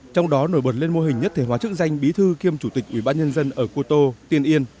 trong đó nổi bật lên mô hình nhất thể hóa chức danh bí thư kiêm chủ tịch ubnd ở cô tô tiên yên